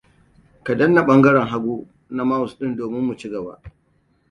Ka danna ɓangaren hagu na mouse ɗin domin mu ci gaba.